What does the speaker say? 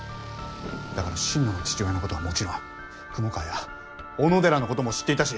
だから心野の父親のことはもちろん雲川や小野寺のことも知っていたし。